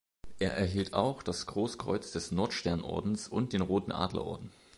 Er erhielt auch das Großkreuz des Nordsternordens und den Roten Adlerorden.